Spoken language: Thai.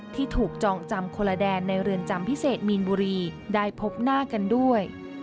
ที่ถูกจองจำคนละแดนในเรือนจำพิเศษมีนบุรีได้พบหน้ากันด้วย